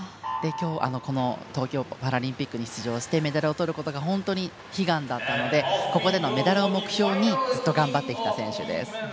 この東京パラリンピックに出場して、メダルをとることが本当に悲願だったのでここでのメダルを目標にずっと頑張ってきた選手です。